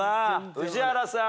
宇治原さん。